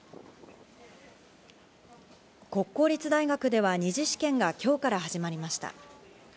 国公立大学では二次試験が今日から始まりました。